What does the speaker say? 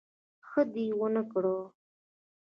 ښه دي ونکړه